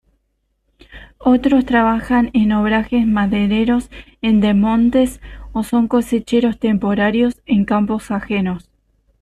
Otros trabajan en obrajes madereros, en desmontes o son cosecheros temporarios en campos ajenos.